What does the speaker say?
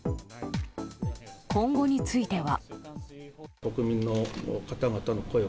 今後については。